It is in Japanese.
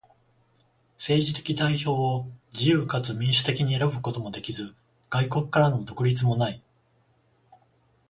政治的代表を自由かつ民主的に選ぶこともできず、外国からの独立もない。